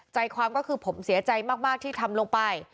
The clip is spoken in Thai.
ใจความก็คือผมเสียใจมากที่ทำลงไป